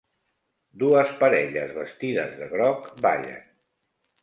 Dues parelles vestides de groc ballen.